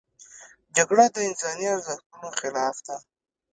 جګړه د انساني ارزښتونو خلاف ده